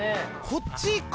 こっちか？